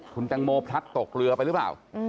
คุณแตงโมพลัดตกเรือไปหรือเปล่า